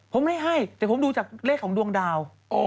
ผมไม่ให้แต่ผมดูจากเลขของดวงดาว